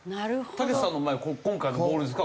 たけしさんの前の今回のボールですか？